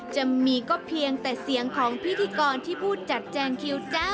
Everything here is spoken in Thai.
จะมีก็เพียงแต่เสียงของพิธีกรที่พูดจัดแจงคิวจ้า